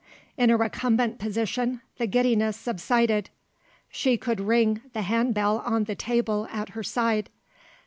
In a recumbent position, the giddiness subsided. She could ring the hand bell on the table at her side.